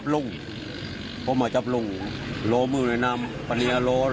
พราหมณ์น้ำน้ำดี